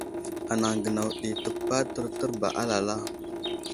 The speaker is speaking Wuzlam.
Anaŋ gənaw ɗi təpaɗ tərtər ba alala.